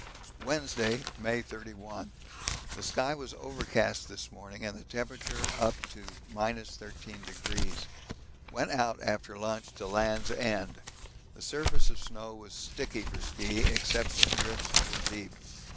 Wednesday, May 31. The sky was overcast this morning and the temperature up to 13°. Went out after lunch to 'Land's End.' The surface of snow was sticky for ski, except where drifts were deep.